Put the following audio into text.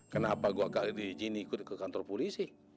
kenapa gua enggak diizini ikut ke kantor polisi